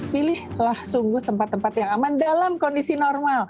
pilihlah sungguh tempat tempat yang aman dalam kondisi normal